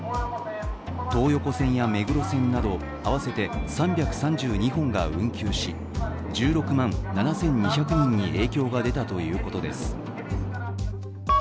東横線や目黒線など合わせて３３２本が運休し１６万７２００人に影響が出たということです。